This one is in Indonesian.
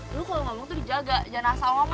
eh lu kalau ngomong tuh dijaga jangan asal ngomong